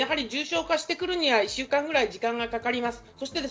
重症化するには１週間ぐらい時間がかかります。